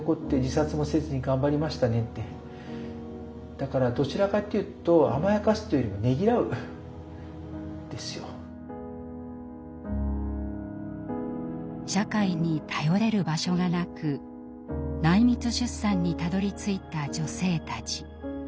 だからどちらかっていうと社会に頼れる場所がなく内密出産にたどりついた女性たち。